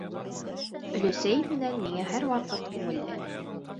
Өләсәйем менән миңә һәр ваҡыт күңелле.